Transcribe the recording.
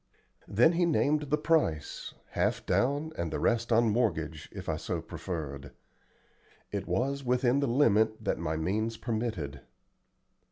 Then he named the price, half down and the rest on mortgage, if I so preferred. It was within the limit that my means permitted.